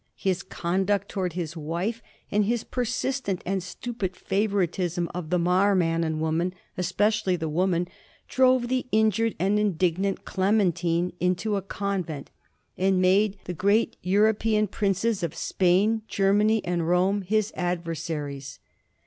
His conduct towards his wife, and his persist ent and stupid favoritism of the Mar man and woman — especially the woman — drove the injured and indignant Clementine into a convent, and made the great European llSi^llU. CHARLES IN HIS FIRST CAMPAIGN. 201 princes of Spain, Gennany, and Borne his adversaries.